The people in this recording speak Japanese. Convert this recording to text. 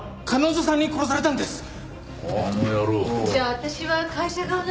彼女さんに殺されたんです！